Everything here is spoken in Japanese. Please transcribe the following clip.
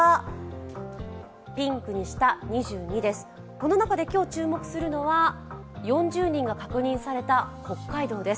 この中で今日注目するのは４０人の感染が確認された北海道です。